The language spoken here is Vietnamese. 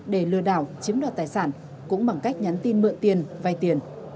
để lừa đảo chiếm đoạt tài sản cũng bằng cách nhắn tin mượn tiền vai tiền